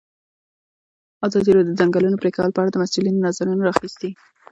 ازادي راډیو د د ځنګلونو پرېکول په اړه د مسؤلینو نظرونه اخیستي.